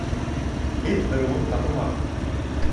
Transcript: Эт ырыуын танымаҫ.